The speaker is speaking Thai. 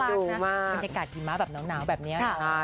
บรรยากาศหิมะแบบหนาวแบบนี้